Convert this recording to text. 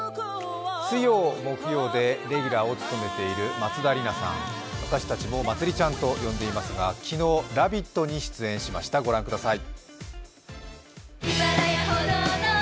水曜、木曜でレギュラーを務めている松田里奈さん、私たちもまつりちゃんと呼んでいますが昨日、「ラヴィット！」に出演しました、ご覧ください。